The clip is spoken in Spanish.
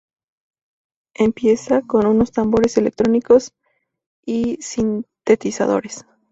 Empieza con unos tambores electrónicos y sintetizadores.